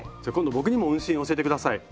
僕にも運針教えてください。